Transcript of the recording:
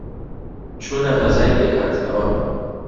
چوونە غەزای بێهاتنەوە،